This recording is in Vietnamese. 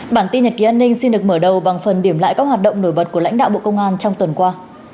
bản tin nhật ký an ninh xin được mở đầu bằng phần điểm lại các hoạt động nổi bật của lãnh đạo bộ công an trong tuần qua